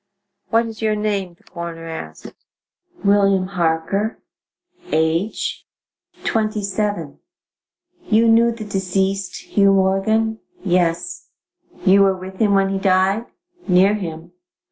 "What is your name?" the coroner asked. "William Harker." "Age?" "Twenty seven." "You knew the deceased, Hugh Morgan?" "Yes." "You were with him when he died?" "Near him."